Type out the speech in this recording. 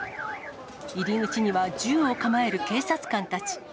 入り口には銃を構える警察官たち。